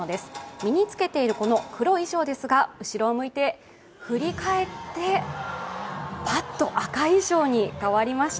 身に着けている黒い衣装ですが、後ろを向いて振り返ってぱっと赤い衣装に変わりました。